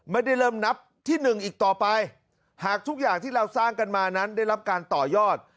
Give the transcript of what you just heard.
ไม่ได้เริ่มนับที่หนึ่งอีกต่อไปหากทุกอย่างที่เราสร้างกันมานั้นได้รับการต่อยอด